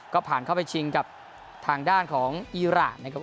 ก็ผ่านเข้าไปชิงกับทางด้านของอีรานนะครับ